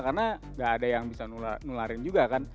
karena nggak ada yang bisa menularin juga kan